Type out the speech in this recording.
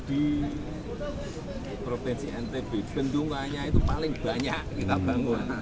di provinsi ntb bendungannya itu paling banyak kita bangun